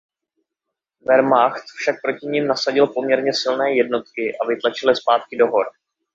Wehrmacht však proti nim nasadil poměrně silné jednotky a vytlačil je zpátky do hor.